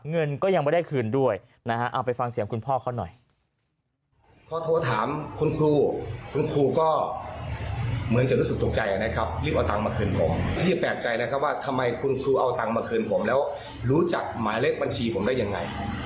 เงินก็ยังไม่ได้คืนด้วยนะฮะเอาไปฟังเสียงคุณพ่อเขาหน่อย